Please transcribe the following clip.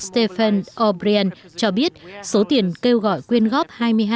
stephen o brien cho biết số tiền kêu gọi quyên góp